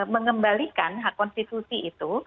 mengembalikan hak konstitusi itu